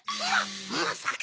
まさか！